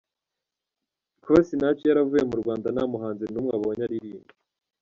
Kuba Sinach yaravuye mu Rwanda nta muhanzi n’umwe abonye aririmba